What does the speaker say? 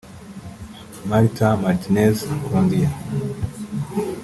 Martha Martinez [Colombia]